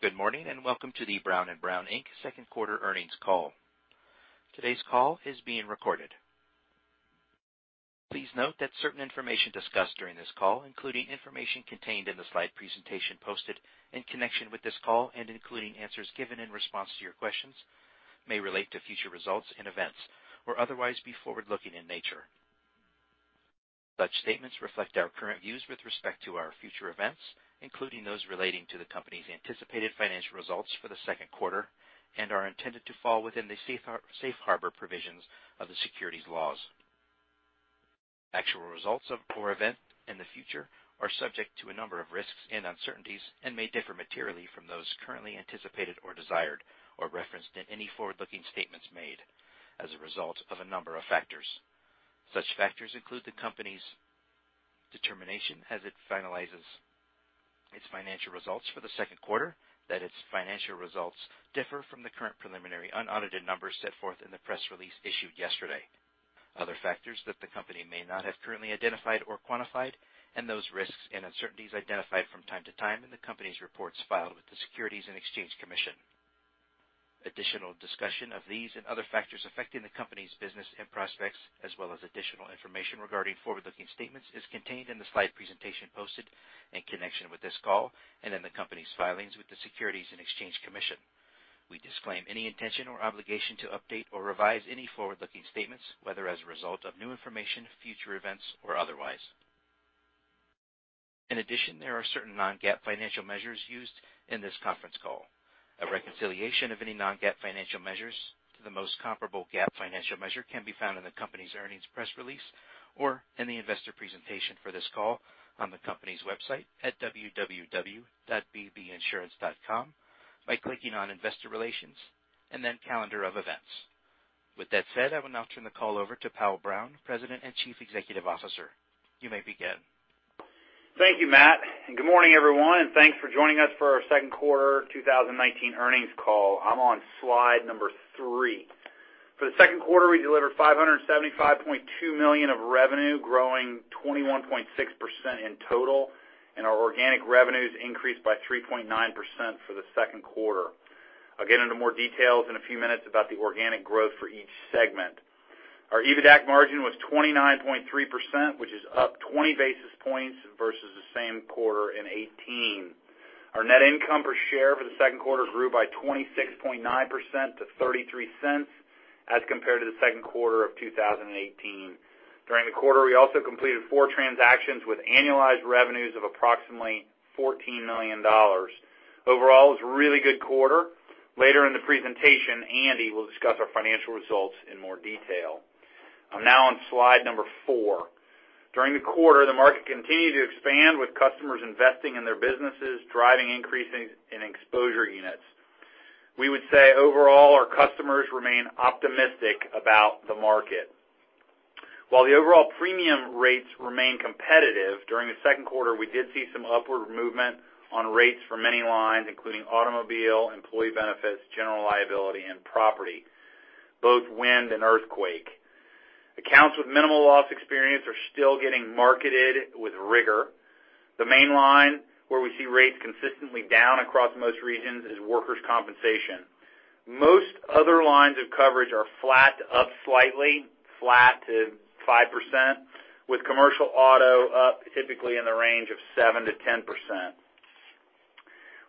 Good morning, and welcome to the Brown & Brown, Inc. second quarter earnings call. Today's call is being recorded. Please note that certain information discussed during this call, including information contained in the slide presentation posted in connection with this call and including answers given in response to your questions, may relate to future results and events or otherwise be forward-looking in nature. Such statements reflect our current views with respect to our future events, including those relating to the company's anticipated financial results for the second quarter, and are intended to fall within the safe harbor provisions of the securities laws. Actual results or events in the future are subject to a number of risks and uncertainties and may differ materially from those currently anticipated or desired or referenced in any forward-looking statements made as a result of a number of factors. Such factors include the company's determination as it finalizes its financial results for the second quarter that its financial results differ from the current preliminary unaudited numbers set forth in the press release issued yesterday. Other factors that the company may not have currently identified or quantified, and those risks and uncertainties identified from time to time in the company's reports filed with the Securities and Exchange Commission. Additional discussion of these and other factors affecting the company's business and prospects, as well as additional information regarding forward-looking statements, is contained in the slide presentation posted in connection with this call and in the company's filings with the Securities and Exchange Commission. We disclaim any intention or obligation to update or revise any forward-looking statements, whether as a result of new information, future events, or otherwise. In addition, there are certain non-GAAP financial measures used in this conference call. A reconciliation of any non-GAAP financial measures to the most comparable GAAP financial measure can be found in the company's earnings press release or in the investor presentation for this call on the company's website at www.bbinsurance.com by clicking on Investor Relations and then Calendar of Events. With that said, I will now turn the call over to Powell Brown, President and Chief Executive Officer. You may begin. Thank you, Matt. Good morning, everyone, and thanks for joining us for our second quarter 2019 earnings call. I'm on slide number 3. For the second quarter, we delivered $575.2 million of revenue, growing 21.6% in total. Our organic revenues increased by 3.9% for the second quarter. I'll get into more details in a few minutes about the organic growth for each segment. Our EBITDAC margin was 29.3%, which is up 20 basis points versus the same quarter in 2018. Our net income per share for the second quarter grew by 26.9% to $0.33 as compared to the second quarter of 2018. During the quarter, we also completed four transactions with annualized revenues of approximately $14 million. Overall, it was a really good quarter. Later in the presentation, Andy will discuss our financial results in more detail. I'm now on slide number 4. During the quarter, the market continued to expand with customers investing in their businesses, driving increases in exposure units. We would say overall, our customers remain optimistic about the market. While the overall premium rates remain competitive, during the second quarter, we did see some upward movement on rates for many lines, including automobile, employee benefits, general liability, and property, both wind and earthquake. Accounts with minimal loss experience are still getting marketed with rigor. The main line where we see rates consistently down across most regions is workers' compensation. Most other lines of coverage are flat to up slightly, flat to 5%, with commercial auto up typically in the range of 7%-10%.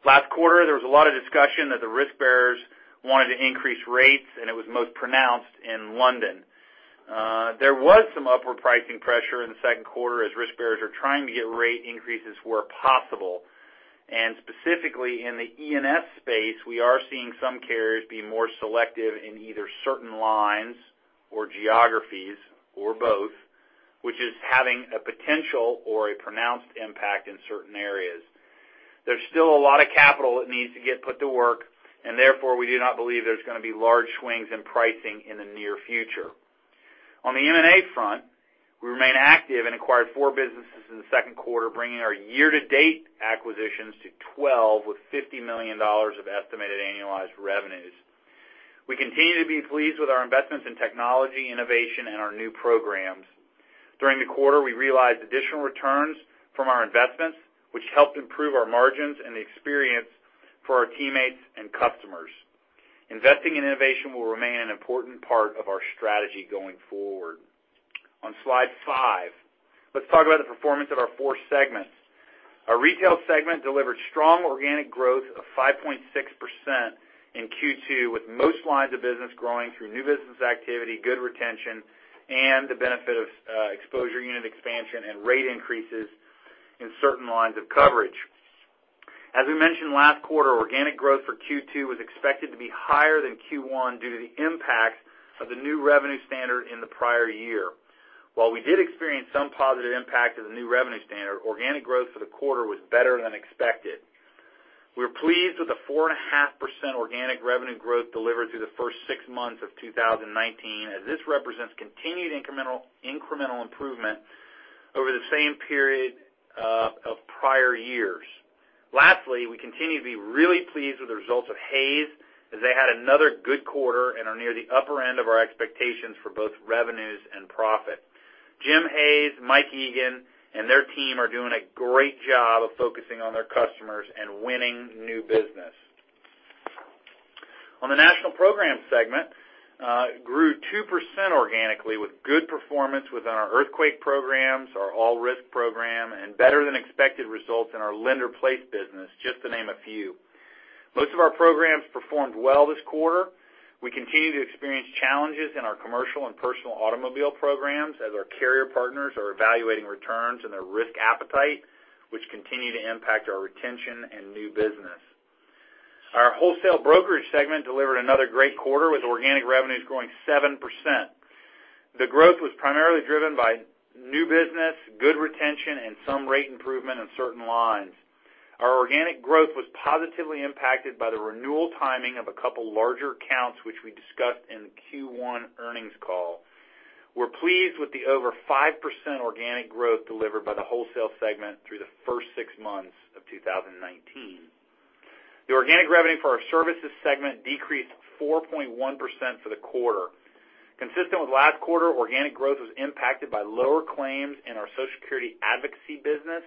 Last quarter, there was a lot of discussion that the risk bearers wanted to increase rates, and it was most pronounced in London. There was some upward pricing pressure in the second quarter as risk bearers are trying to get rate increases where possible. Specifically in the E&S space, we are seeing some carriers be more selective in either certain lines or geographies or both, which is having a potential or a pronounced impact in certain areas. There's still a lot of capital that needs to get put to work, and therefore, we do not believe there's going to be large swings in pricing in the near future. On the M&A front, we remain active and acquired four businesses in the second quarter, bringing our year-to-date acquisitions to 12 with $50 million of estimated annualized revenues. We continue to be pleased with our investments in technology innovation and our new programs. During the quarter, we realized additional returns from our investments, which helped improve our margins and the experience for our teammates and customers. Investing in innovation will remain an important part of our strategy going forward. On slide five, let's talk about the performance of our four segments. Our Retail Segment delivered strong organic growth of 5.6% in Q2, with most lines of business growing through new business activity, good retention, and the benefit of exposure unit expansion and rate increases in certain lines of coverage. As we mentioned last quarter, organic growth for Q2 was expected to be higher than Q1 due to the impact of the new revenue standard in the prior year. While we did experience some positive impact of the new revenue standard, organic growth for the quarter was better than expected. We're pleased with the 4.5% organic revenue growth delivered through the first six months of 2019, as this represents continued incremental improvement over the same period of prior years. Lastly, we continue to be really pleased with the results of Hays, as they had another good quarter and are near the upper end of our expectations for both revenues and profit. Jim Hays, Mike Egan, and their team are doing a great job of focusing on their customers and winning new business. On the National Programs Segment, grew 2% organically with good performance within our earthquake programs, our all-risk program, and better than expected results in our lender place business, just to name a few. Most of our programs performed well this quarter. We continue to experience challenges in our commercial and personal automobile programs as our carrier partners are evaluating returns and their risk appetite, which continue to impact our retention and new business. Our Wholesale Brokerage Segment delivered another great quarter with organic revenues growing 7%. The growth was primarily driven by new business, good retention, and some rate improvement in certain lines. Our organic growth was positively impacted by the renewal timing of a couple larger accounts, which we discussed in the Q1 earnings call. We're pleased with the over 5% organic growth delivered by the Wholesale Segment through the first six months of 2019. The organic revenue for our Services Segment decreased 4.1% for the quarter. Consistent with last quarter, organic growth was impacted by lower claims in our Social Security advocacy business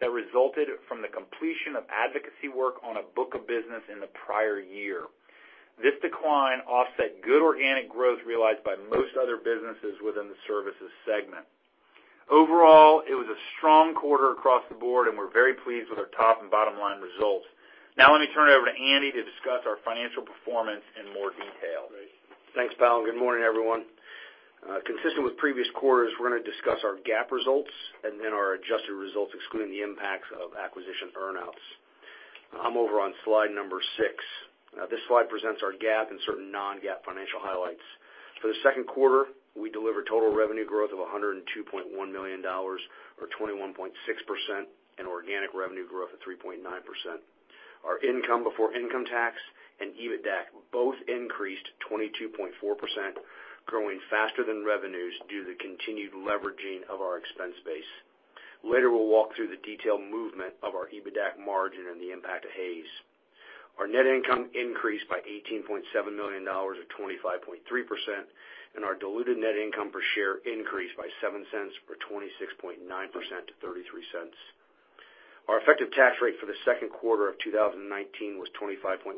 that resulted from the completion of advocacy work on a book of business in the prior year. This decline offset good organic growth realized by most other businesses within the Services Segment. Overall, it was a strong quarter across the board, and we're very pleased with our top and bottom line results. Now let me turn it over to Andy to discuss our financial performance in more detail. Thanks, Powell. Good morning, everyone. Consistent with previous quarters, we're going to discuss our GAAP results and then our adjusted results, excluding the impacts of acquisition earn-outs. I'm over on slide number six. This slide presents our GAAP and certain non-GAAP financial highlights. For the second quarter, we delivered total revenue growth of $102.1 million, or 21.6%, and organic revenue grew up to 3.9%. Our income before income tax and EBITDAC both increased 22.4%, growing faster than revenues due to the continued leveraging of our expense base. Later, we'll walk through the detailed movement of our EBITDAC margin and the impact of Hays. Our net income increased by $18.7 million, or 25.3%, and our diluted net income per share increased by $0.07, or 26.9%, to $0.33. Our effective tax rate for the second quarter of 2019 was 25.1%,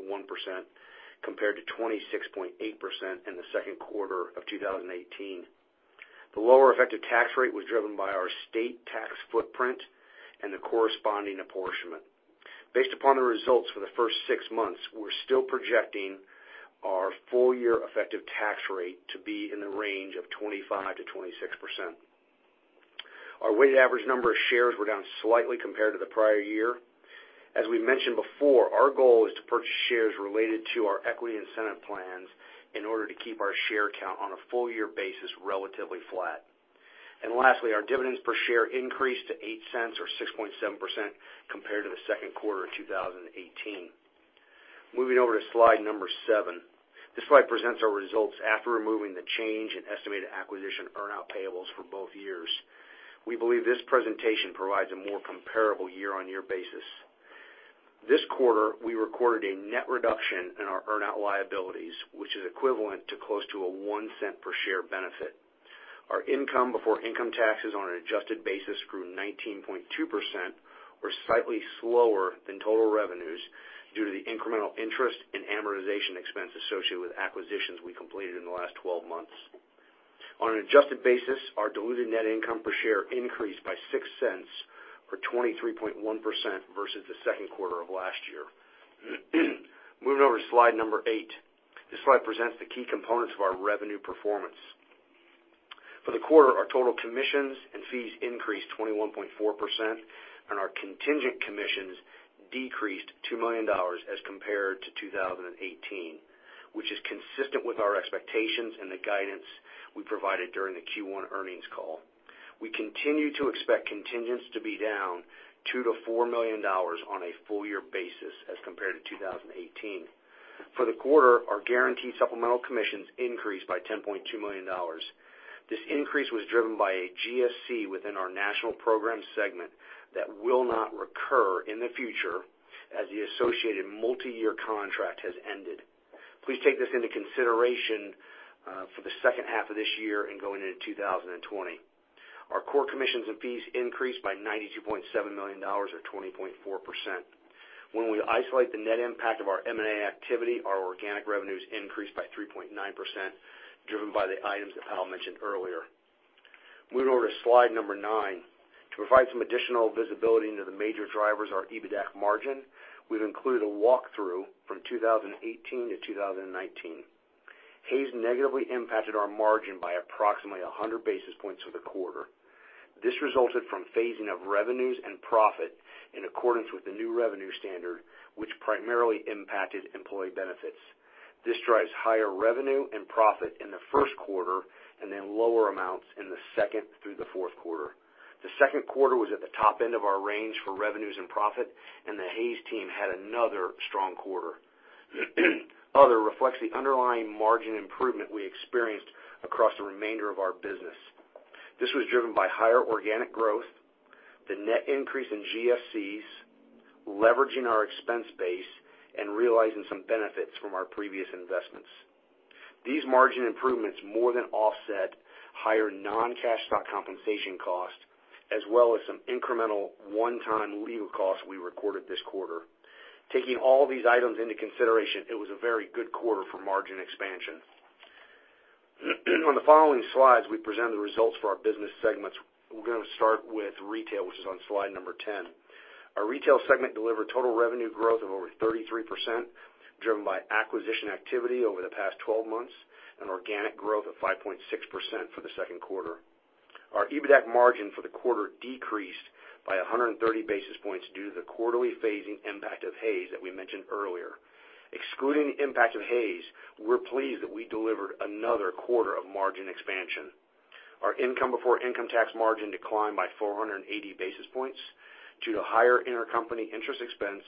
compared to 26.8% in the second quarter of 2018. The lower effective tax rate was driven by our state tax footprint and the corresponding apportionment. Based upon the results for the first six months, we're still projecting our full-year effective tax rate to be in the range of 25%-26%. Our weighted average number of shares were down slightly compared to the prior year. As we mentioned before, our goal is to purchase shares related to our equity incentive plans in order to keep our share count on a full year basis relatively flat. Lastly, our dividends per share increased to $0.08 or 6.7% compared to the second quarter of 2018. Moving over to slide number seven. This slide presents our results after removing the change in estimated acquisition earn-out payables for both years. We believe this presentation provides a more comparable year-on-year basis. This quarter, we recorded a net reduction in our earn-out liabilities, which is equivalent to close to a $0.01 per share benefit. Our income before income taxes on an adjusted basis grew 19.2%, or slightly slower than total revenues due to the incremental interest and amortization expense associated with acquisitions we completed in the last 12 months. On an adjusted basis, our diluted net income per share increased by $0.06, or 23.1%, versus the second quarter of last year. Moving over to slide number 8. This slide presents the key components of our revenue performance. For the quarter, our total commissions and fees increased 21.4%, and our contingent commissions decreased $2 million as compared to 2018, which is consistent with our expectations and the guidance we provided during the Q1 earnings call. We continue to expect contingents to be down $2 million-$4 million on a full year basis as compared to 2018. For the quarter, our guaranteed supplemental commissions increased by $10.2 million. This increase was driven by a GSC within our National Program segment that will not recur in the future as the associated multi-year contract has ended. Please take this into consideration for the second half of this year and going into 2020. Our core commissions and fees increased by $92.7 million or 20.4%. When we isolate the net impact of our M&A activity, our organic revenues increased by 3.9%, driven by the items that Powell mentioned earlier. Moving over to slide number 9. To provide some additional visibility into the major drivers of our EBITDAC margin, we've included a walkthrough from 2018 to 2019. Hays negatively impacted our margin by approximately 100 basis points for the quarter. This resulted from phasing of revenues and profit in accordance with the new revenue standard, which primarily impacted employee benefits. This drives higher revenue and profit in the first quarter, and then lower amounts in the second through the fourth quarter. The second quarter was at the top end of our range for revenues and profit, and the Hays team had another strong quarter. Other reflects the underlying margin improvement we experienced across the remainder of our business. This was driven by higher organic growth, the net increase in GSCs, leveraging our expense base, and realizing some benefits from our previous investments. These margin improvements more than offset higher non-cash stock compensation costs, as well as some incremental one-time legal costs we recorded this quarter. Taking all these items into consideration, it was a very good quarter for margin expansion. On the following slides, we present the results for our business segments. We're going to start with Retail, which is on slide number 10. Our Retail Segment delivered total revenue growth of over 33%, driven by acquisition activity over the past 12 months and organic growth of 5.6% for the second quarter. Our EBITDAC margin for the quarter decreased by 130 basis points due to the quarterly phasing impact of Hays that we mentioned earlier. Excluding the impact of Hays, we're pleased that we delivered another quarter of margin expansion. Our income before income tax margin declined by 480 basis points due to higher intercompany interest expense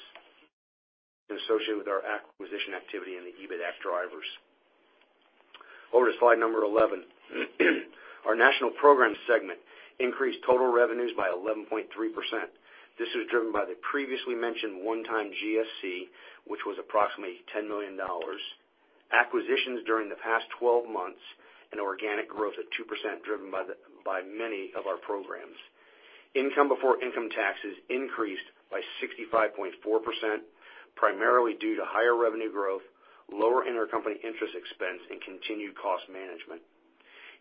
associated with our acquisition activity and the EBITDAC drivers. Over to slide number 11. Our National Program segment increased total revenues by 11.3%. This was driven by the previously mentioned one-time GSC, which was approximately $10 million, acquisitions during the past 12 months, and organic growth at 2% driven by many of our programs. Income before income taxes increased by 65.4%, primarily due to higher revenue growth, lower intercompany interest expense, and continued cost management.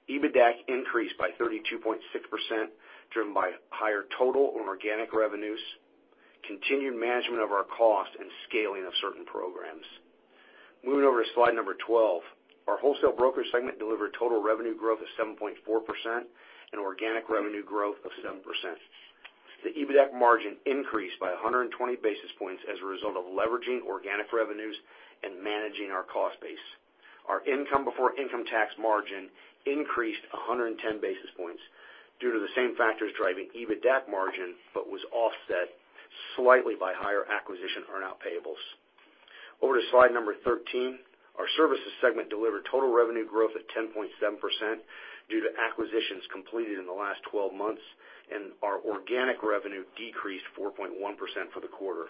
EBITDAC increased by 32.6%, driven by higher total and organic revenues, continued management of our cost, and scaling of certain programs. Moving over to slide number 12. Our Wholesale Brokerage Segment delivered total revenue growth of 7.4% and organic revenue growth of 7%. The EBITDAC margin increased by 120 basis points as a result of leveraging organic revenues and managing our cost base. Our income before income tax margin increased 110 basis points due to the same factors driving EBITDAC margin, but was offset slightly by higher acquisition earn-out payables. Over to slide number 13. Our Services Segment delivered total revenue growth of 10.7% due to acquisitions completed in the last 12 months. Our organic revenue decreased 4.1% for the quarter.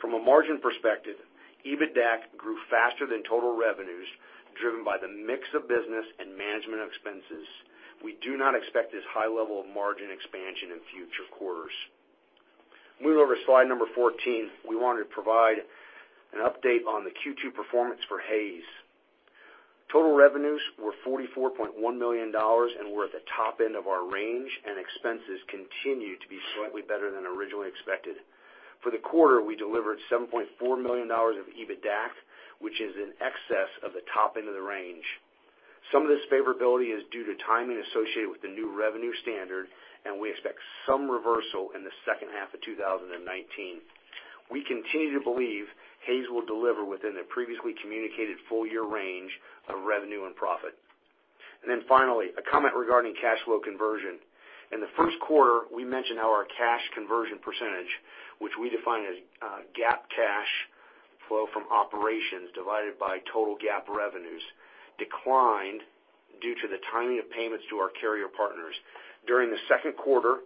From a margin perspective, EBITDAC grew faster than total revenues, driven by the mix of business and management expenses. We do not expect this high level of margin expansion in future quarters. Moving over to slide number 14. We wanted to provide an update on the Q2 performance for Hays. Total revenues were $44.1 million and were at the top end of our range. Expenses continue to be slightly better than originally expected. For the quarter, we delivered $7.4 million of EBITDAC, which is in excess of the top end of the range. Some of this favorability is due to timing associated with the new revenue standard, and we expect some reversal in the second half of 2019. We continue to believe Hays will deliver within the previously communicated full-year range of revenue and profit. Finally, a comment regarding cash flow conversion. In the first quarter, we mentioned how our cash conversion percentage, which we define as GAAP cash flow from operations divided by total GAAP revenues, declined due to the timing of payments to our carrier partners. During the second quarter,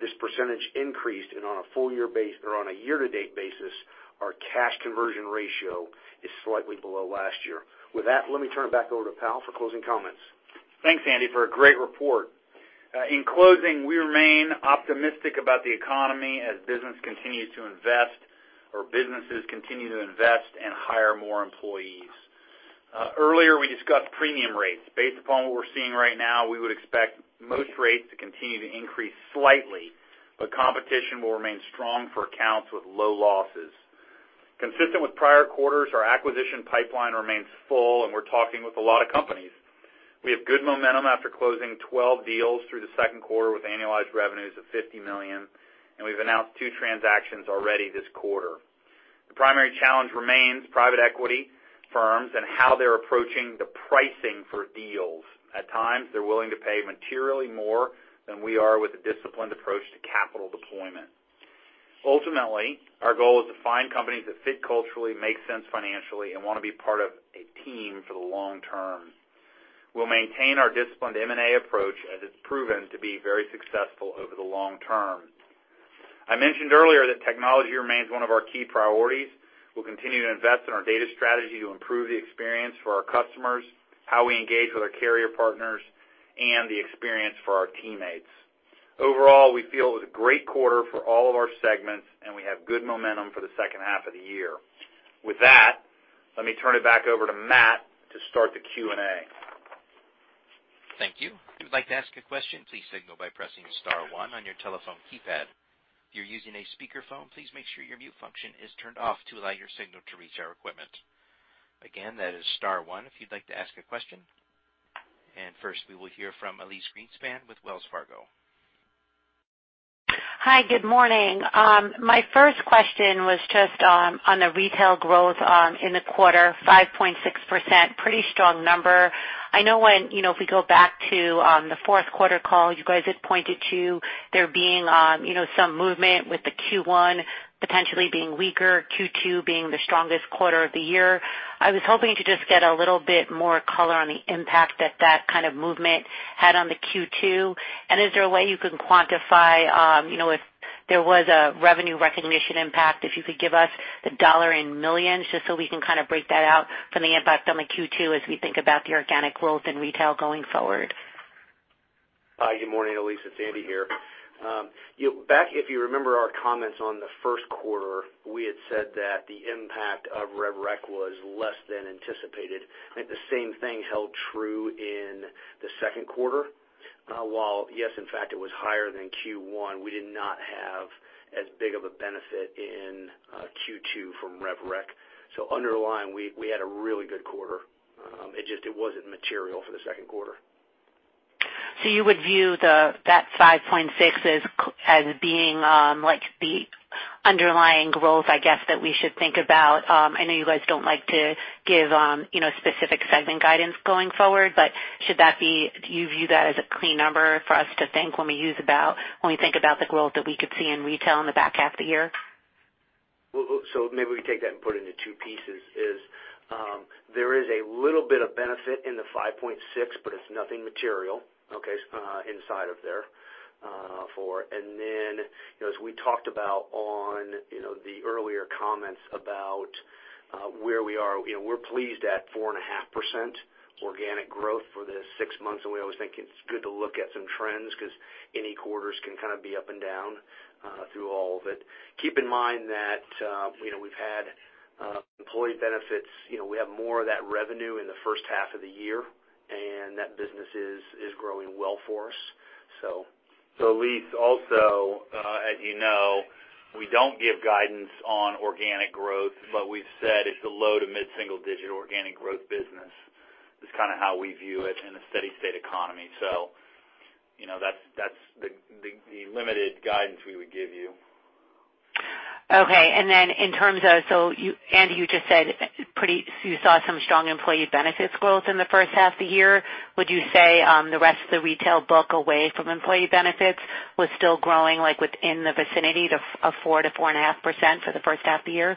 this percentage increased. On a year-to-date basis, our cash conversion ratio is slightly below last year. With that, let me turn it back over to Powell for closing comments. Thanks, Andy, for a great report. In closing, we remain optimistic about the economy as businesses continue to invest and hire more employees. Earlier, we discussed premium rates. Based upon what we're seeing right now, we would expect most rates to continue to increase slightly. Competition will remain strong for accounts with low losses. Consistent with prior quarters, our acquisition pipeline remains full. We're talking with a lot of companies. We have good momentum after closing 12 deals through the second quarter with annualized revenues of $50 million. We've announced two transactions already this quarter. The primary challenge remains private equity firms and how they're approaching the pricing for deals. At times, they're willing to pay materially more than we are with a disciplined approach to capital deployment. Ultimately, our goal is to find companies that fit culturally, make sense financially, and want to be part of a team for the long term. We'll maintain our disciplined M&A approach as it's proven to be very successful over the long term. I mentioned earlier that technology remains one of our key priorities. We'll continue to invest in our data strategy to improve the experience for our customers, how we engage with our carrier partners, and the experience for our teammates. Overall, we feel it was a great quarter for all of our segments, and we have good momentum for the second half of the year. With that, let me turn it back over to Matt to start the Q&A. Thank you. If you would like to ask a question, please signal by pressing *1 on your telephone keypad. If you're using a speakerphone, please make sure your mute function is turned off to allow your signal to reach our equipment. Again, that is *1 if you'd like to ask a question. First, we will hear from Elyse Greenspan with Wells Fargo. Hi, good morning. My first question was just on the retail growth in the quarter, 5.6%, pretty strong number. I know when we go back to the fourth quarter call, you guys had pointed to there being some movement with the Q1 potentially being weaker, Q2 being the strongest quarter of the year. I was hoping to just get a little bit more color on the impact that that kind of movement had on the Q2. Is there a way you can quantify if there was a revenue recognition impact, if you could give us the dollar in millions, just so we can kind of break that out from the impact on the Q2 as we think about the organic growth in retail going forward? Hi. Good morning, Elyse. It's Andy here. Back, if you remember our comments on the first quarter, we had said that the impact of rev rec was less than anticipated. I think the same thing held true in the second quarter. While, yes, in fact, it was higher than Q1, we did not have as big of a benefit in Q2 from rev rec. Underlying, we had a really good quarter. It just wasn't material for the second quarter. You would view that 5.6 as being like the underlying growth, I guess, that we should think about. I know you guys don't like to give specific segment guidance going forward, but do you view that as a clean number for us to think when we think about the growth that we could see in retail in the back half of the year? Maybe we take that and put it into two pieces is, there is a little bit of benefit in the 5.6, but it's nothing material inside of there for. As we talked about on the earlier comments about where we are, we're pleased at 4.5% organic growth for the six months, and we always think it's good to look at some trends because any quarters can kind of be up and down through all of it. Keep in mind that we've had employee benefits. We have more of that revenue in the first half of the year, and that business is growing well for us. So Elyse, also, as you know, we don't give guidance on organic growth, but we've said it's the low- to mid-single digit organic growth business, is kind of how we view it in a steady state economy. That's the limited guidance we would give you. Okay. In terms of, so Andy, you just said you saw some strong employee benefits growth in the first half of the year. Would you say the rest of the retail book away from employee benefits was still growing within the vicinity of 4%-4.5% for the first half of the year?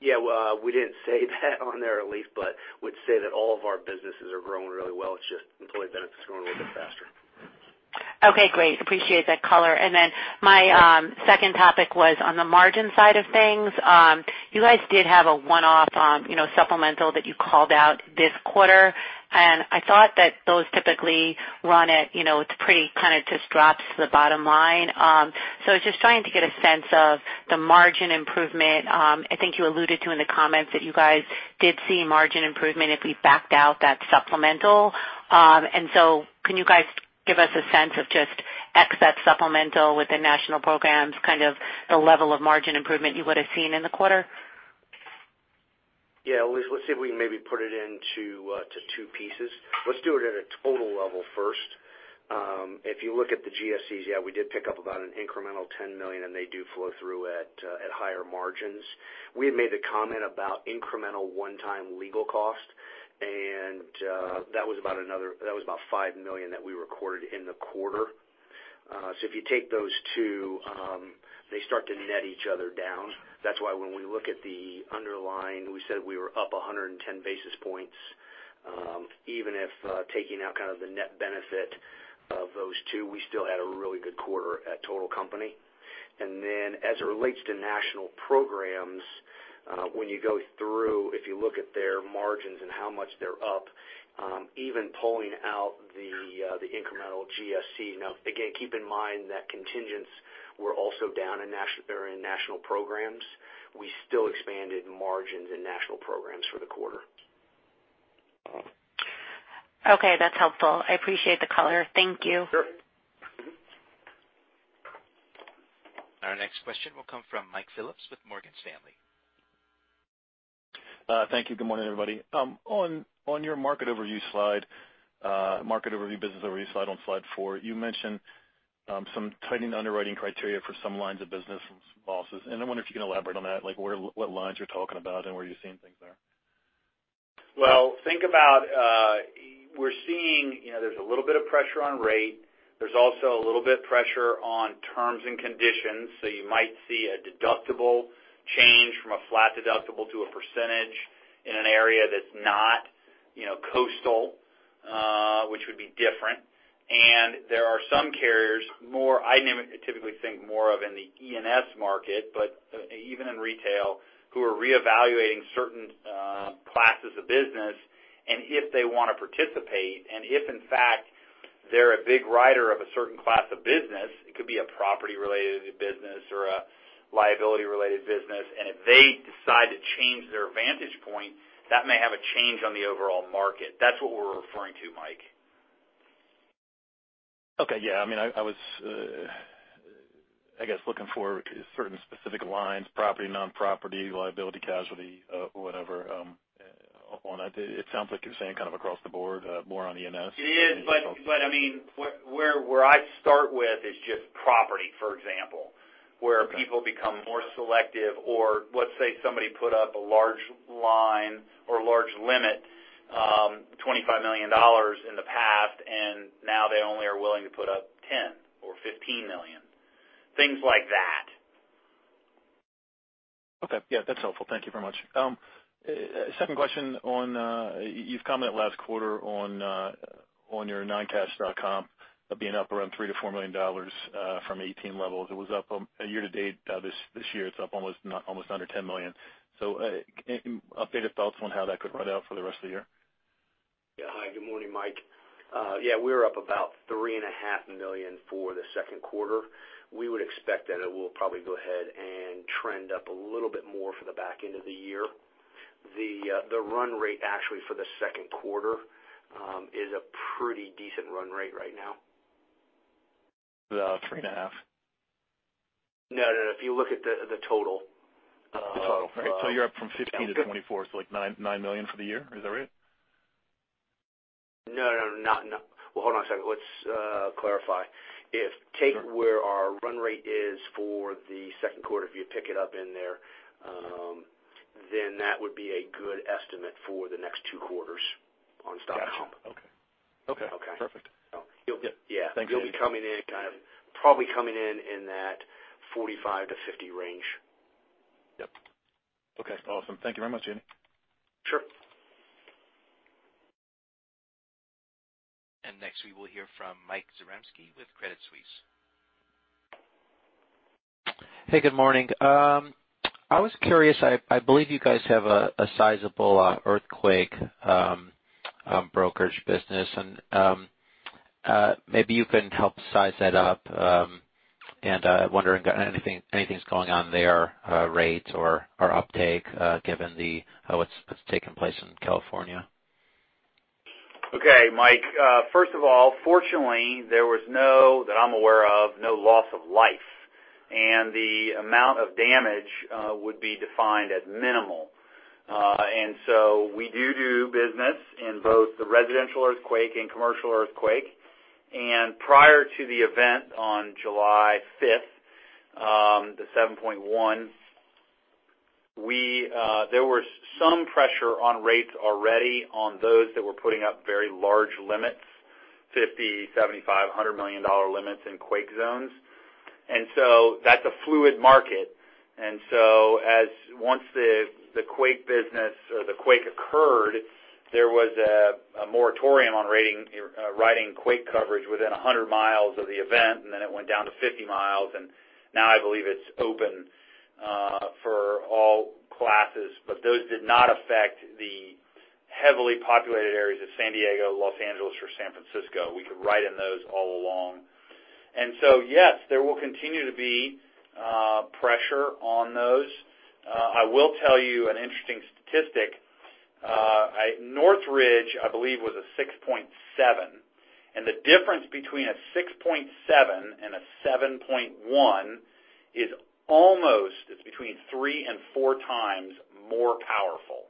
We didn't say that on there, Elyse, but would say that all of our businesses are growing really well. It's just employee benefits growing a little bit faster. Appreciate that color. My second topic was on the margin side of things. You guys did have a one-off supplemental that you called out this quarter, and I thought that those typically run at, it's pretty kind of just drops to the bottom line. I was just trying to get a sense of the margin improvement. I think you alluded to in the comments that you guys did see margin improvement if we backed out that supplemental. Can you guys give us a sense of just X that supplemental with the National Programs, kind of the level of margin improvement you would've seen in the quarter? Elyse, let's see if we can maybe put it into two pieces. Let's do it at a total level first. If you look at the GSCs, we did pick up about an incremental $10 million, and they do flow through at higher margins. We had made the comment about incremental one-time legal cost, and that was about $5 million that we recorded in the quarter. If you take those two, they start to net each other down. That's why when we look at the underlying, we said we were up 110 basis points. Even if taking out kind of the net benefit of those two, we still had a really good quarter at total company. As it relates to National Programs, when you go through, if you look at their margins and how much they're up, even pulling out the incremental GSC. Again, keep in mind that contingents were also down in National Programs. We still expanded margins in National Programs for the quarter. Okay. That's helpful. I appreciate the color. Thank you. Sure. Our next question will come from Mike Phillips with Morgan Stanley. Thank you. Good morning, everybody. On your market overview slide, market overview, business overview slide on slide four, you mentioned some tightening underwriting criteria for some lines of business from some losses. I wonder if you can elaborate on that, like what lines you're talking about and where you're seeing things there. Well, think about, we're seeing there's a little bit of pressure on rate. There's also a little bit pressure on terms and conditions. You might see a deductible change from a flat deductible to a percentage in an area that's not coastal, which would be different. There are some carriers more, I typically think more of in the E&S market, but even in retail, who are reevaluating certain classes of business, and if they want to participate, and if in fact they're a big rider of a certain class of business, it could be a property-related business or a liability-related business, and if they decide to change their vantage point, that may have a change on the overall market. That's what we're referring to, Mike. Okay. Yeah. I was, I guess, looking for certain specific lines, property, non-property, liability, casualty, whatever on it. It sounds like you're saying kind of across the board, more on E&S. Where I'd start with is just property, for example, where people become more selective, or let's say somebody put up a large line or large limit, $25 million in the past, and now they only are willing to put up $10 million or $15 million. Things like that. Okay. Yeah, that's helpful. Thank you very much. Second question, you've commented last quarter on your non-cash stock comp being up around $3 million to $4 million from 2018 levels. It was up year-to-date this year. It's up almost under $10 million. Any updated thoughts on how that could run out for the rest of the year? Yeah. Hi, good morning, Mike. Yeah, we were up about $3.5 million for the second quarter. We would expect that it will probably go ahead and trend up a little bit more for the back end of the year. The run rate actually for the second quarter, is a pretty decent run rate right now. The three and a half? No. If you look at the total. The total. Okay, so you're up from 15 to 24, so like $9 million for the year. Is that right? No. Well, hold on a second. Let's clarify. If take where our run rate is for the second quarter, if you pick it up in there, then that would be a good estimate for the next two quarters on stock comp. Got you. Okay. Perfect. Okay. Yeah. Thanks, Andy. You'll be coming in, probably coming in that 45 to 50 range. Yep. Okay, awesome. Thank you very much, Andy. Sure. Next we will hear from Mike Zaremski with Credit Suisse. Hey, good morning. I was curious, I believe you guys have a sizable earthquake brokerage business and maybe you can help size that up. Wondering if anything's going on there rates or uptake, given what's taken place in California. Okay, Mike. First of all, fortunately, there was, that I'm aware of, no loss of life, and the amount of damage would be defined as minimal. We do business in both the residential earthquake and commercial earthquake. Prior to the event on July 5th, the 7.1, there was some pressure on rates already on those that were putting up very large limits, $50 million, $75 million, $100 million limits in quake zones. That's a fluid market. Once the quake occurred, there was a moratorium on writing quake coverage within 100 miles of the event, then it went down to 50 miles, and now I believe it's open for all classes. Those did not affect the heavily populated areas of San Diego, Los Angeles, or San Francisco. We could write in those all along. Yes, there will continue to be pressure on those. I will tell you an interesting statistic. Northridge, I believe, was a 6.7. The difference between a 6.7 and a 7.1 is almost, it's between three and four times more powerful.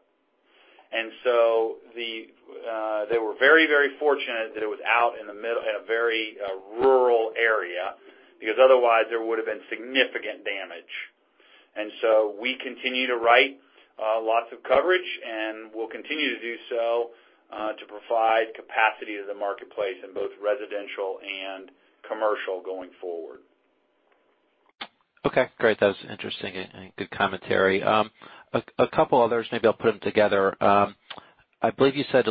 They were very fortunate that it was out in a very rural area because otherwise there would've been significant damage. We continue to write lots of coverage, and we'll continue to do so, to provide capacity to the marketplace in both residential and commercial going forward. Okay, great. That was interesting and good commentary. A couple others. Maybe I'll put them together. I believe you said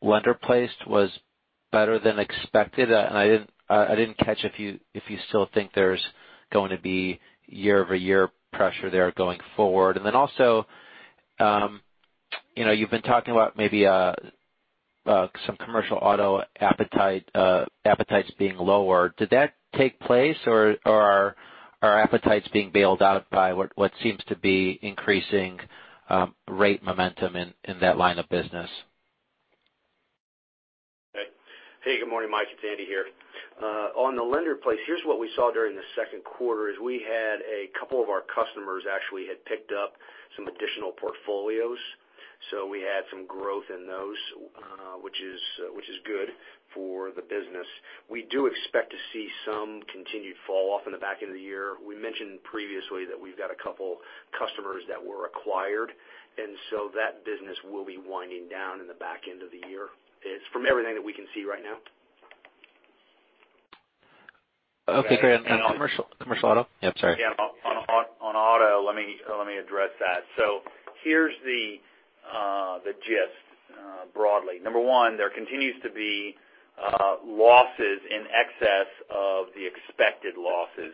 lender-placed was better than expected. I didn't catch if you still think there's going to be year-over-year pressure there going forward. You've been talking about maybe some commercial auto appetites being lower. Did that take place or are appetites being bailed out by what seems to be increasing rate momentum in that line of business? Hey, good morning, Mike. It's Andy here. On the lender place, here's what we saw during the second quarter is we had a couple of our customers actually had picked up some additional portfolios. We had some growth in those, which is good for the business. We do expect to see some continued fall off in the back end of the year. We mentioned previously that we've got a couple customers that were acquired, that business will be winding down in the back end of the year. It's from everything that we can see right now. Okay, great. Commercial auto? Yep, sorry. Yeah. On auto, let me address that. Here's the gist, broadly. Number 1, there continues to be losses in excess of the expected losses.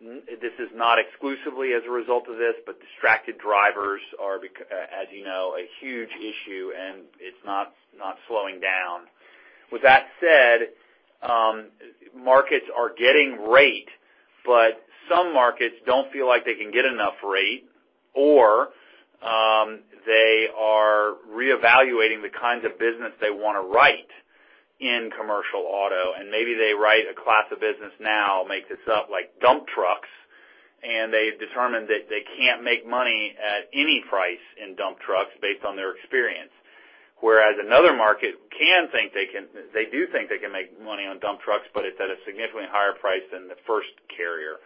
This is not exclusively as a result of this, but distracted drivers are, as you know, a huge issue, and it's not slowing down. With that said, markets are getting rate, but some markets don't feel like they can get enough rate or, they are reevaluating the kinds of business they want to write in commercial auto, maybe they write a class of business now, make this up like dump trucks, and they've determined that they can't make money at any price in dump trucks based on their experience. Whereas another market, they do think they can make money on dump trucks, but it's at a significantly higher price than the first carrier.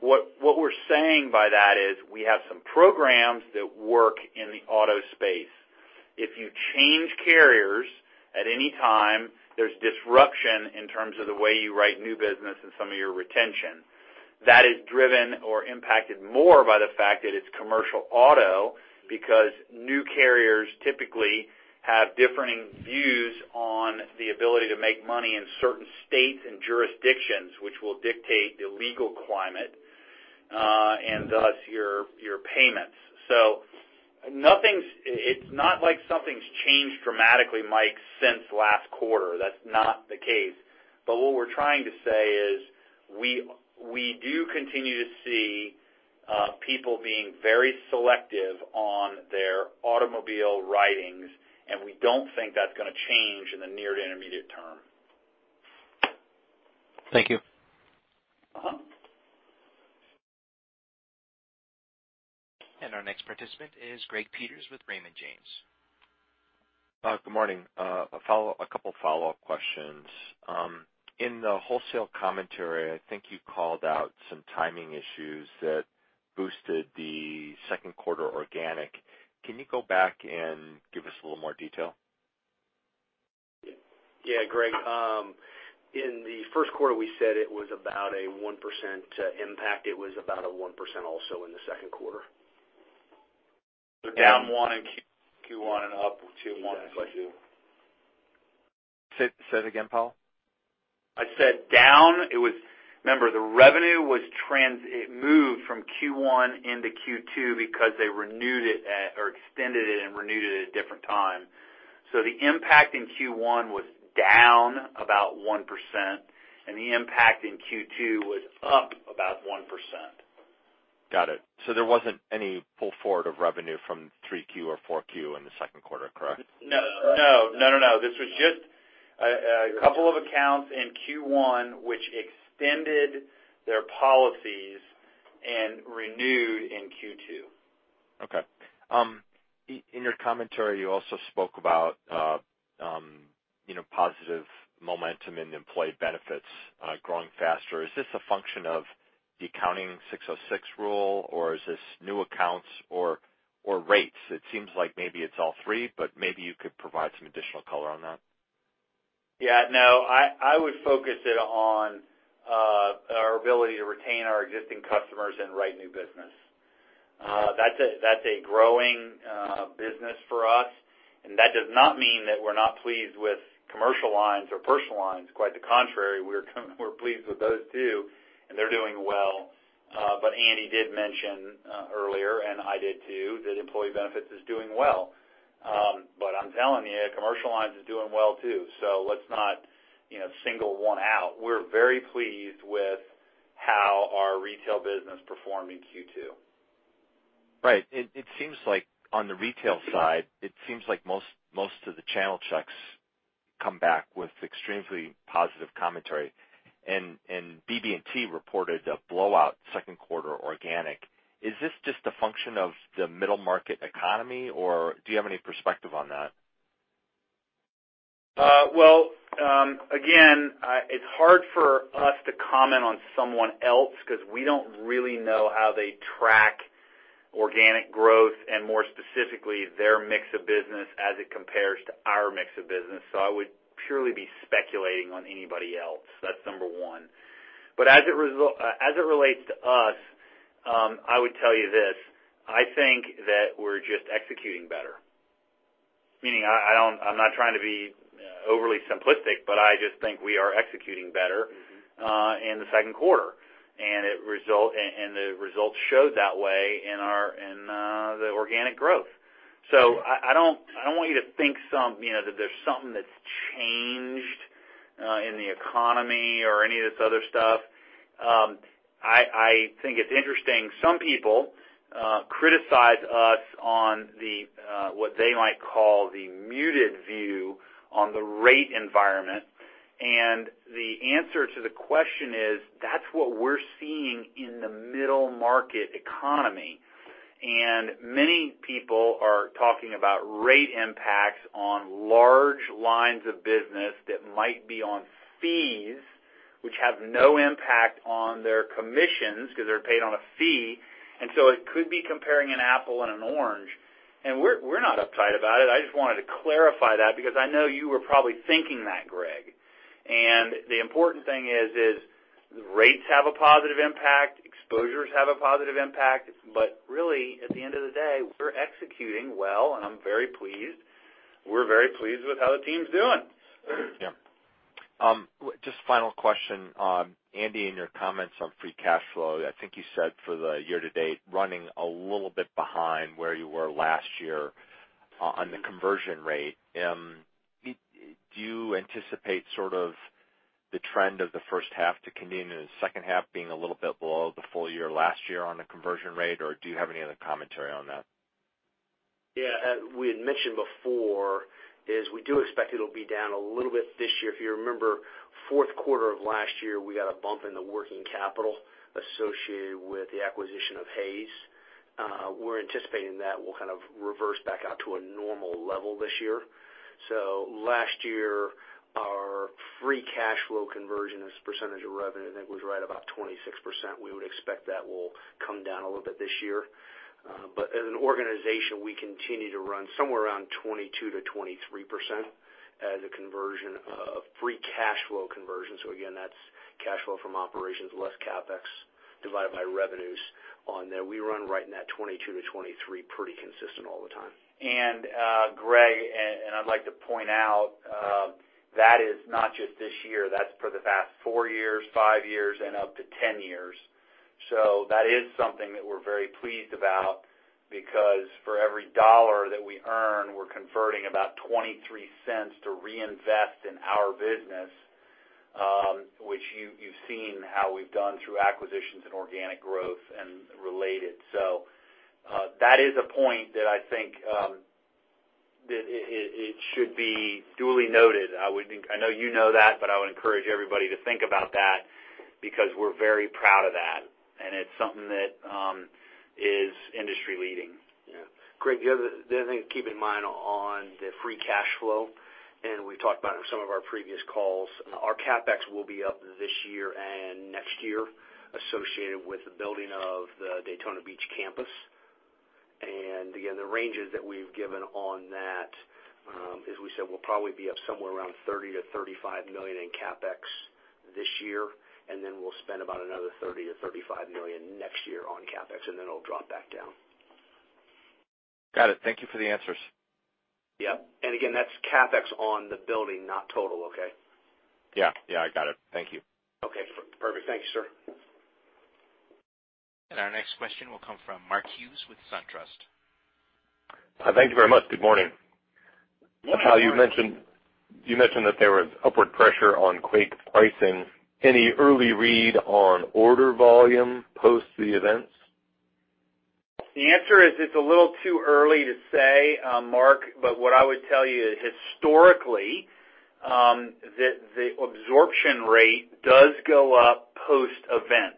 What we're saying by that is we have some programs that work in the auto space. If you change carriers at any time, there's disruption in terms of the way you write new business and some of your retention. That is driven or impacted more by the fact that it's commercial auto, because new carriers typically have differing views on the ability to make money in certain states and jurisdictions, which will dictate the legal climate, and thus your payments. It's not like something's changed dramatically, Mike, since last quarter. That's not the case. What we're trying to say is, we do continue to see people being very selective on their automobile writings, and we don't think that's going to change in the near to intermediate term. Thank you. Our next participant is Gregory Peters with Raymond James. Good morning. A couple follow-up questions. In the wholesale commentary, I think you called out some timing issues that boosted the second quarter organic. Can you go back and give us a little more detail? Greg. In the first quarter, we said it was about a 1% impact. It was about a 1% also in the second quarter. Down one in Q1 and up. Exactly. Say that again, Powell? I said down. Remember, the revenue, it moved from Q1 into Q2 because they extended it and renewed it at a different time. The impact in Q1 was down about 1%, and the impact in Q2 was up about 1%. Got it. There wasn't any pull forward of revenue from three Q or four Q in the second quarter, correct? No. This was just a couple of accounts in Q1 which extended their policies and renewed in Q2. Okay. In your commentary, you also spoke about positive momentum in employee benefits growing faster. Is this a function of the accounting 606 rule, or is this new accounts or rates? It seems like maybe it's all three, but maybe you could provide some additional color on that. I would focus it on our ability to retain our existing customers and write new business. That's a growing business for us, and that does not mean that we're not pleased with commercial lines or personal lines. Quite the contrary, we're pleased with those too, and they're doing well. Andy did mention earlier, and I did too, that employee benefits is doing well. I'm telling you, commercial lines is doing well too. Let's not single one out. We're very pleased with how our retail business performed in Q2. Right. On the retail side, it seems like most of the channel checks come back with extremely positive commentary. BB&T reported a blowout second quarter organic. Is this just a function of the middle market economy, or do you have any perspective on that? Well, again, it's hard for us to comment on someone else because we don't really know how they track organic growth and more specifically, their mix of business as it compares to our mix of business. I would purely be speculating on anybody else. That's number one. As it relates to us, I would tell you this, I think that we're just executing better. Meaning, I'm not trying to be overly simplistic, but I just think we are executing better. In the second quarter, and the results showed that way in the organic growth. I do not want you to think that there's something that's changed in the economy or any of this other stuff. I think it's interesting. Some people criticize us on what they might call the muted view on the rate environment. The answer to the question is, that's what we're seeing in the middle market economy. Many people are talking about rate impacts on large lines of business that might be on fees, which have no impact on their commissions because they're paid on a fee. It could be comparing an apple and an orange. We're not uptight about it. I just wanted to clarify that because I know you were probably thinking that, Greg. The important thing is, rates have a positive impact, exposures have a positive impact, really, at the end of the day, we're executing well, and I'm very pleased. We're very pleased with how the team's doing. Yeah. Just final question. Andy, in your comments on free cash flow, I think you said for the year to date, running a little bit behind where you were last year on the conversion rate. Do you anticipate sort of the trend of the first half to continue in the second half being a little bit below the full year last year on the conversion rate, or do you have any other commentary on that? Yeah. We had mentioned before is we do expect it'll be down a little bit this year. If you remember, fourth quarter of last year, we got a bump in the working capital associated with the acquisition of Hays. We're anticipating that will kind of reverse back out to a normal level this year. Last year, our free cash flow conversion as a percentage of revenue, I think, was right about 26%. We would expect that will come down a little bit this year. As an organization, we continue to run somewhere around 22%-23% as a conversion of free cash flow conversion. Again, that's cash flow from operations less CapEx divided by revenues on there. We run right in that 22%-23% pretty consistent all the time. Greg, and I'd like to point out, that is not just this year, that's for the past four years, five years, and up to 10 years. That is something that we're very pleased about because for every dollar that we earn, we're converting about $0.23 to reinvest in our business, which you've seen how we've done through acquisitions and organic growth and related. That is a point that I think that it should be duly noted. I know you know that, but I would encourage everybody to think about that because we're very proud of that, and it's something that is industry-leading. Yeah. Greg, the other thing to keep in mind on the free cash flow, we've talked about it in some of our previous calls, our CapEx will be up this year and next year associated with the building of the Daytona Beach campus. Again, the ranges that we've given on that, as we said, will probably be up somewhere around $30 million-$35 million in CapEx this year, we'll spend about another $30 million-$35 million next year on CapEx, it'll drop back down. Got it. Thank you for the answers. Yep. Again, that's CapEx on the building, not total, okay? Yeah. I got it. Thank you. Okay, perfect. Thank you, sir. Our next question will come from Mark Hughes with SunTrust. Thank you very much. Good morning. Good morning. You mentioned that there was upward pressure on quake pricing. Any early read on order volume post the events? The answer is it's a little too early to say, Mark, but what I would tell you is historically, the absorption rate does go up post-event.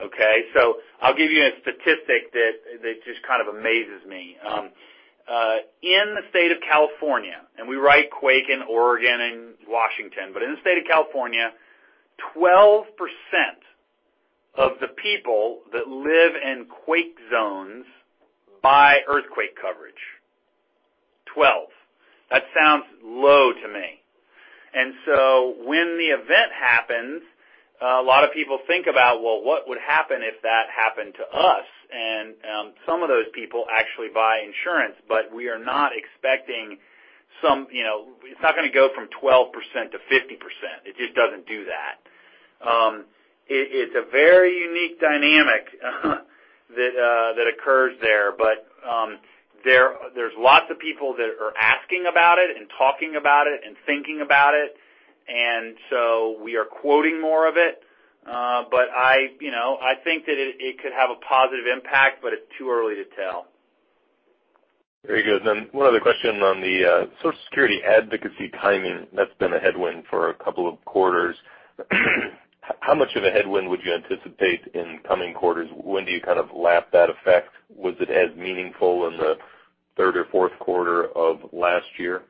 Okay? I'll give you a statistic that just kind of amazes me. In the state of California, and we write quake in Oregon and Washington, in the state of California, 12% of the people that live in quake zones buy earthquake coverage. 12. That sounds low to me. When the event happens, a lot of people think about, well, what would happen if that happened to us? Some of those people actually buy insurance. We are not expecting some, it's not going to go from 12% to 50%. It just doesn't do that. It's a very unique dynamic that occurs there. There's lots of people that are asking about it, and talking about it, and thinking about it, we are quoting more of it. I think that it could have a positive impact, but it's too early to tell. Very good. One other question on the Social Security advocacy timing, that's been a headwind for a couple of quarters. How much of a headwind would you anticipate in coming quarters? When do you kind of lap that effect? Was it as meaningful in the third or fourth quarter of last year?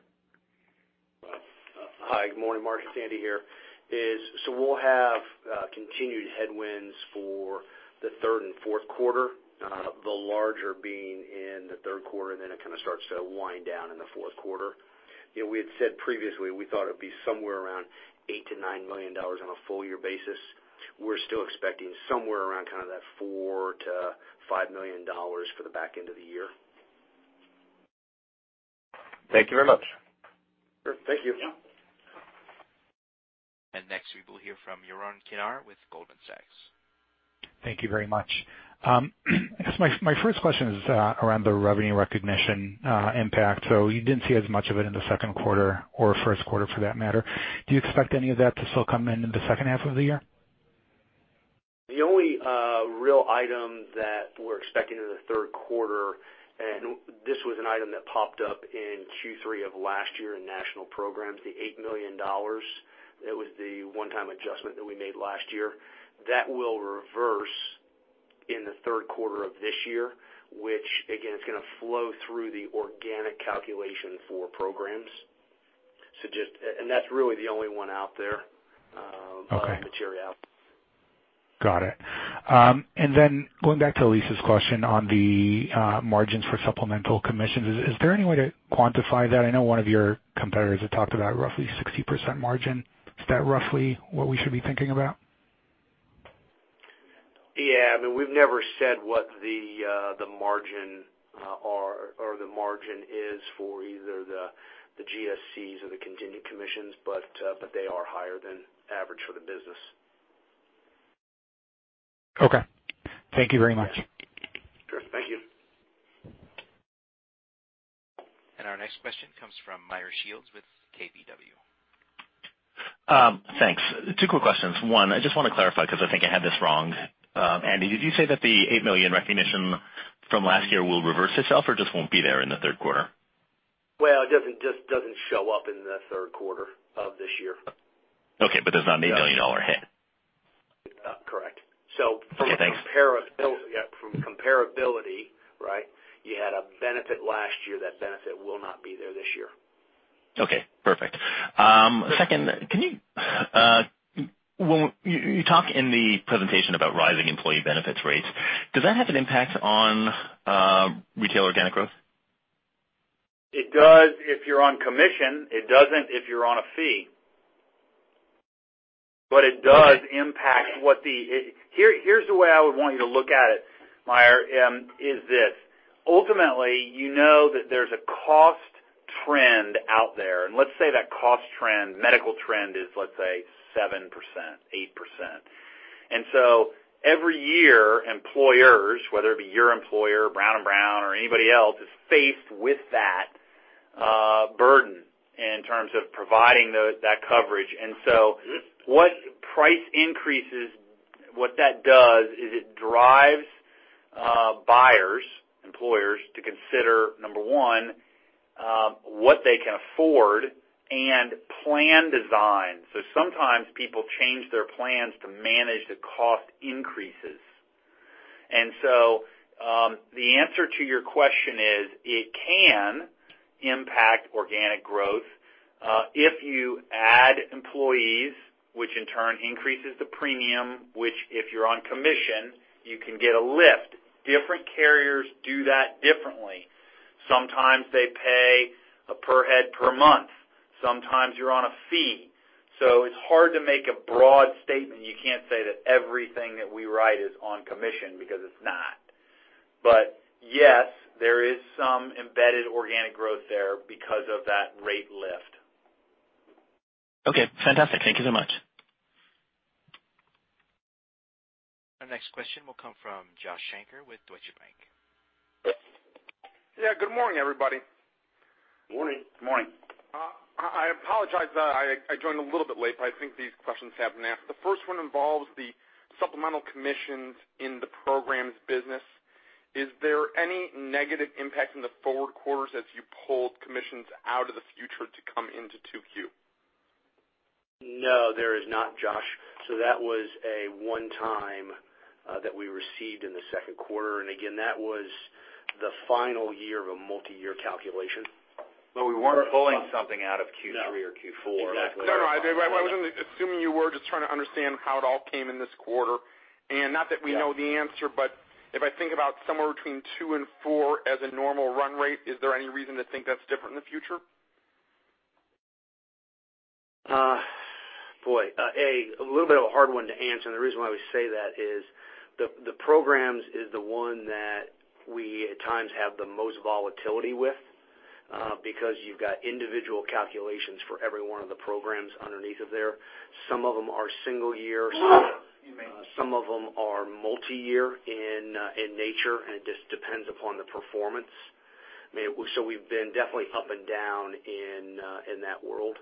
Hi, good morning, Mark. It's Andy here. We'll have continued headwinds for the third and fourth quarter, the larger being in the third quarter, then it kind of starts to wind down in the fourth quarter. We had said previously we thought it'd be somewhere around $8 million-$9 million on a full year basis. We're still expecting somewhere around kind of that $4 million-$5 million for the back end of the year. Thank you very much. Sure. Thank you. Yeah. Next we will hear from Yaron Kinar with Goldman Sachs. Thank you very much. I guess my first question is around the revenue recognition impact. You didn't see as much of it in the second quarter or first quarter for that matter. Do you expect any of that to still come in in the second half of the year? The only real item that we're expecting in the third quarter, and this was an item that popped up in Q3 of last year in national programs, the $8 million. That was the one-time adjustment that we made last year. That will reverse in the third quarter of this year, which again, is going to flow through the organic calculation for programs. That's really the only one out there. Okay By material. Got it. Then going back to Elyse question on the margins for supplemental commissions, is there any way to quantify that? I know one of your competitors had talked about roughly 60% margin. Is that roughly what we should be thinking about? Yeah. I mean, we've never said what the margin are or the margin is for either the GSCs or the contingent commissions, they are higher than average for the business. Okay. Thank you very much. Sure. Thank you. Our next question comes from Meyer Shields with KBW. Thanks. Two quick questions. One, I just want to clarify because I think I had this wrong. Andy, did you say that the $8 million recognition from last year will reverse itself or just won't be there in the third quarter? Well, it just doesn't show up in the third quarter of this year. Okay. There's not an $8 million hit? Yeah, thanks. From comparability, you had a benefit last year. That benefit will not be there this year. Okay, perfect. Second, you talk in the presentation about rising employee benefits rates. Does that have an impact on retail organic growth? It does if you're on commission. It doesn't if you're on a fee. It does impact. Here's the way I would want you to look at it, Meyer, is this: ultimately, you know that there's a cost trend out there, and let's say that cost trend, medical trend is, let's say, 7%, 8%. Every year, employers, whether it be your employer, Brown & Brown, or anybody else, is faced with that burden in terms of providing that coverage. What price increases, what that does is it drives buyers, employers, to consider, number 1, what they can afford and plan design. Sometimes people change their plans to manage the cost increases. The answer to your question is, it can impact organic growth. If you add employees, which in turn increases the premium, which if you're on commission, you can get a lift. Different carriers do that differently. Sometimes they pay a per head per month. Sometimes you're on a fee. It's hard to make a broad statement. You can't say that everything that we write is on commission, because it's not. Yes, there is some embedded organic growth there because of that rate lift. Okay, fantastic. Thank you so much. Our next question will come from Joshua Shanker with Deutsche Bank. Yeah, good morning, everybody. Morning. Good morning. I apologize, I joined a little bit late, but I think these questions have been asked. The first one involves the supplemental commissions in the programs business. Is there any negative impact in the forward quarters as you pulled commissions out of the future to come into 2Q? No, there is not, Josh. That was a one-time that we received in the second quarter. Again, that was the final year of a multi-year calculation. We weren't pulling something out of Q3 or Q4. No, exactly. No, I was only assuming you were. Just trying to understand how it all came in this quarter. Not that we know the answer, but if I think about somewhere between two and four as a normal run rate, is there any reason to think that's different in the future? Boy, a little bit of a hard one to answer, the reason why we say that is the programs is the one that we at times have the most volatility with, because you've got individual calculations for every one of the programs underneath of there. Some of them are single year, some of them are multi-year in nature, it just depends upon the performance. We've been definitely up and down in that world.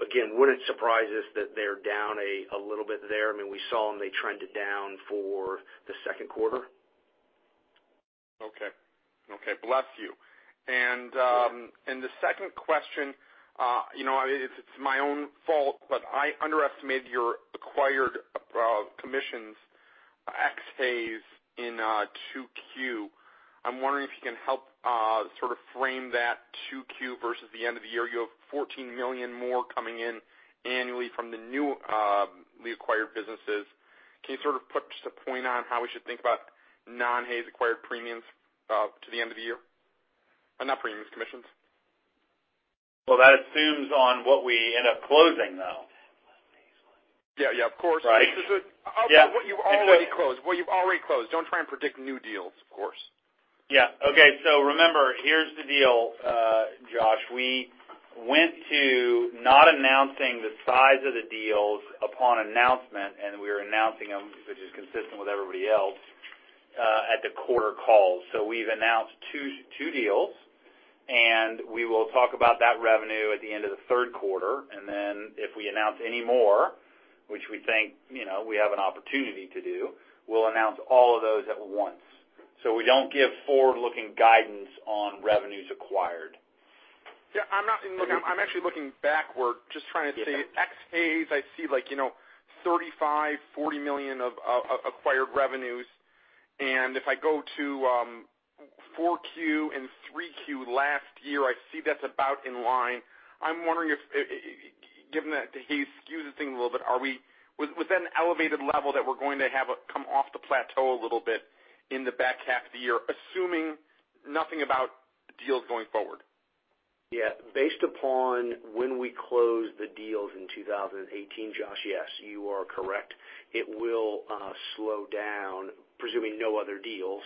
Again, wouldn't surprise us that they're down a little bit there. We saw them, they trended down for the second quarter. Okay. Bless you. The second question, it's my own fault, I underestimated your acquired commissions ex-Hays in 2Q. I'm wondering if you can help frame that 2Q versus the end of the year. You have $14 million more coming in annually from the newly acquired businesses. Can you put just a point on how we should think about non-Hays acquired premiums to the end of the year? Not premiums, commissions. That assumes on what we end up closing, though. Yeah, of course. Right. What you've already closed. Don't try and predict new deals, of course. Yeah. Okay, remember, here's the deal, Josh. We went to not announcing the size of the deals upon announcement, and we were announcing them, which is consistent with everybody else, at the quarter calls. We've announced two deals, and we will talk about that revenue at the end of the third quarter. Then if we announce any more, which we think we have an opportunity to do, we'll announce all of those at once. We don't give forward-looking guidance on revenues acquired. Yeah, I'm actually looking backward, just trying to see. Ex-Hays, I see $35 million-$40 million of acquired revenues. If I go to 4Q and 3Q last year, I see that's about in line. I'm wondering if, given that the Hays skews the thing a little bit, with that elevated level, that we're going to have it come off the plateau a little bit in the back half of the year, assuming nothing about deals going forward. Yeah. Based upon when we close the deals in 2018, Josh, yes, you are correct. It will slow down, presuming no other deals,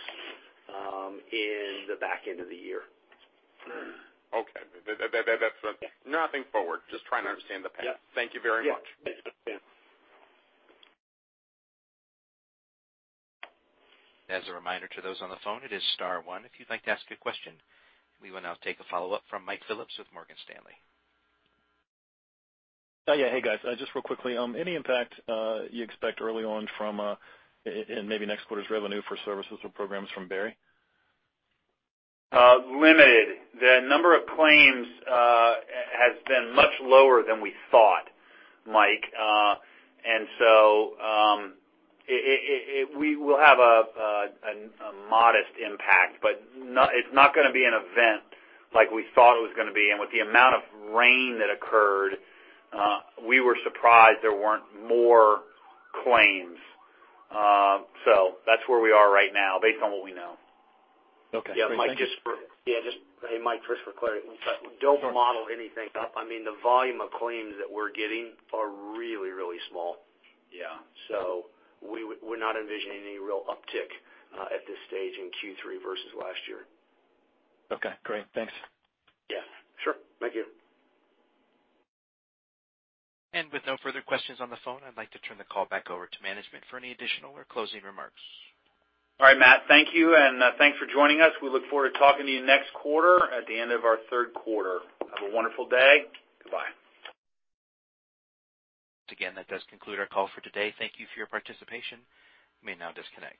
in the back end of the year. Okay. Nothing forward, just trying to understand the past. Yeah. Thank you very much. Yeah. As a reminder to those on the phone, it is star one if you'd like to ask a question. We will now take a follow-up from Mike Phillips with Morgan Stanley. Yeah. Hey, guys, just real quickly, any impact you expect early on from, in maybe next quarter's revenue for services or programs from Barry? Limited. The number of claims has been much lower than we thought, Mike. We will have a modest impact, but it's not going to be an event like we thought it was going to be. With the amount of rain that occurred, we were surprised there weren't more claims. That's where we are right now, based on what we know. Okay. Yeah, Mike, just for clarity, don't model anything up. The volume of claims that we're getting are really, really small. Yeah. We're not envisioning any real uptick at this stage in Q3 versus last year. Okay, great. Thanks. Yeah. Sure. Thank you. With no further questions on the phone, I'd like to turn the call back over to management for any additional or closing remarks. All right, Matt, thank you, and thanks for joining us. We look forward to talking to you next quarter at the end of our third quarter. Have a wonderful day. Goodbye. Again, that does conclude our call for today. Thank you for your participation. You may now disconnect.